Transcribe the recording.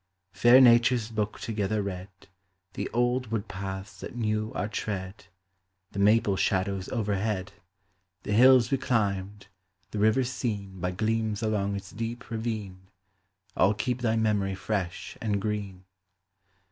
| Fair Nature's book together read, The old wood paths that knew our tread, The maple shadows overhead, — Digitized by Google FRIEXDSHIP. 357 The hills we climbed, the river seen By gleams along its deep ravine, — All keep thy memory fresh and green.